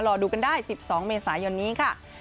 รอดูกันได้๑๒เมษายนนี้ค่ะ